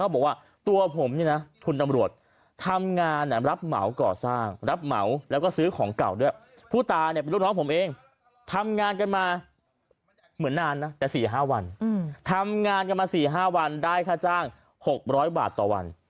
บอกว่าตัวผมเนี่ยนะคุณตำรวจทำงานรับเหมาก่อสร้างรับเหมาแล้วก็ซื้อของเก่าด้วยผู้ตายเนี่ยเป็นลูกน้องผมเองทำงานกันมาเหมือนนานนะแต่๔๕วันทำงานกันมา๔๕วันได้ค่าจ้าง๖๐๐บาทต่อวัน